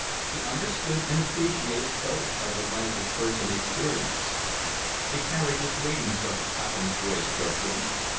He understood and appreciated both by the light of person experience. "The carriage is waiting, sir," Crapham's voice broke in.